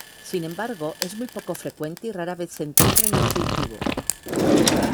Sin embargo es muy poco frecuente y rara vez se encuentran en el cultivo.